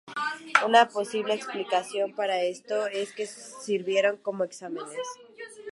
Una posible explicación para esto es que sirvieron como exámenes.